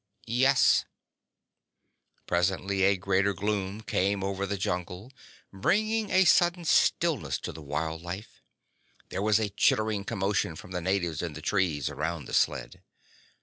"Yes." Presently, a greater gloom came over the jungle, bringing a sudden stillness to the wild life. There was a chittering commotion from the natives in the trees around the sled.